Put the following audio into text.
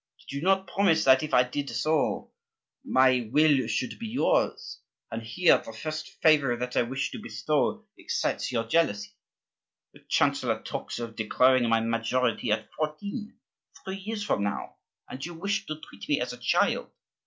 Did you not promise that if I did so my will should be yours? And here, the first favor that I wish to bestow excites your jealousy! The chancellor talks of declaring my majority at fourteen, three years from now, and you wish to treat me as a child.